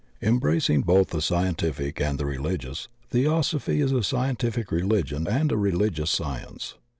Embracing both tiie scientific and the reUgious, Theosophy is a scientific reUgion and a reUgious science.